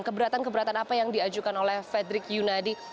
keberatan keberatan apa yang diajukan oleh fredrik yunadi